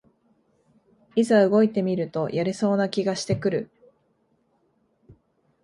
いざ動いてみるとやれそうな気がしてくる